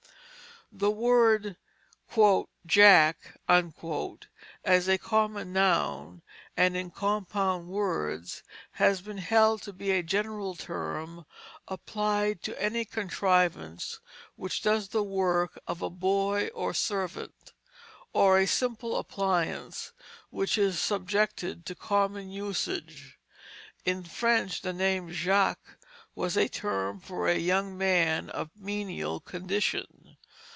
[Illustration: Dolls and Furniture] [Illustration: Chinese Coach and Horses] The word "jack" as a common noun and in compound words has been held to be a general term applied to any contrivance which does the work of a boy or servant, or a simple appliance which is subjected to common usage. In French the name Jacques was a term for a young man of menial condition.